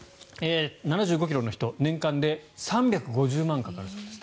７５ｋｇの人、年間で３５０万円かかるそうです。